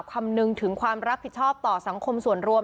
คำนึงถึงความรับผิดชอบต่อสังคมส่วนรวม